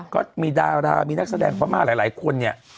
ก็มีดารามีนักแสดงพม่าหลายคนเนี่ย